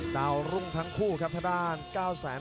ดาวรุ่งทั้งคู่ครับทางด้าน๙แสน